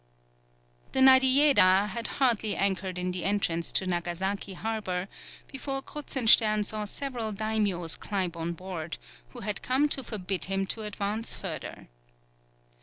] The Nadiejeda had hardly anchored at the entrance to Nagasaki harbour before Kruzenstern saw several daïmios climb on board, who had come to forbid him to advance further.